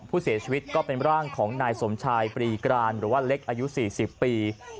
ผู้เสียชีวิตก็เป็นร่างของนายสมชายปรีกรานหรือว่าเล็กอายุ๔๐ปี